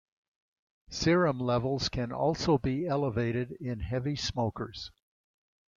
Serum levels can also be elevated in heavy smokers.